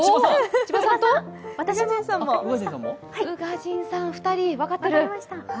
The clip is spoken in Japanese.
宇賀神さん、２人、分かってる。